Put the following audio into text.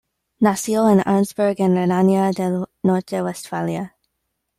Nació en Arnsberg en Renania del Norte-Westfalia.